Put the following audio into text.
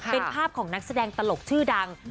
เป็นภาพของนักแสดงตลกชื่อดัง